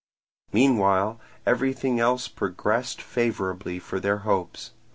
Meanwhile everything else progressed favourably for their hopes.